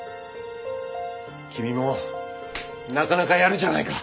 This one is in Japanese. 君もなかなかやるじゃないか。